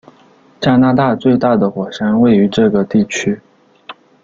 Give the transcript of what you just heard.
加拿大最大的火山位于这个地区。